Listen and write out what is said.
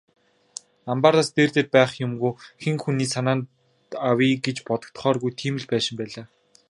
Амбаараас дээрдээд байх юмгүй, хэн хүний санаанд авъя гэж бодогдохооргүй тийм л байшин байлаа.